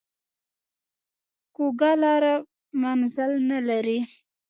کوږه لار منزل نه لري